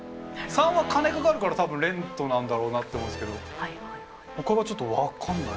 ③は金かかるから多分「ｒｅｎｔ」なんだろうなって思うんですけどほかがちょっと分かんない。